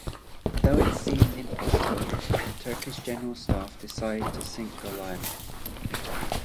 Though it seemed impossible, the Turkish General Staff decided to sink "Goliath".